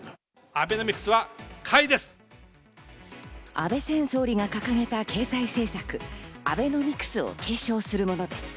安倍前総理が掲げた経済政策・アベノミクスを継承するものです。